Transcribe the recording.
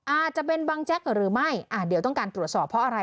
อาจจะเป็นบังแจ๊กหรือไม่เดี๋ยวต้องการตรวจสอบเพราะอะไร